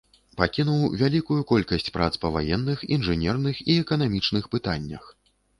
Пакінуў вялікую колькасць прац па ваенных, інжынерных і эканамічных пытаннях.